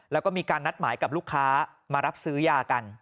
แล้วก็มีการนัดหมายกับลูกค้ามารับซื้อยากัน